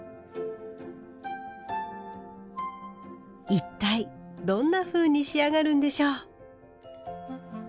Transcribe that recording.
一体どんなふうに仕上がるんでしょう。